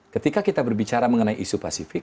ketika kita berbicara mengenai isu pasifik